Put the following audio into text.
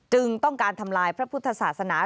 ต้องการทำลายพระพุทธศาสนา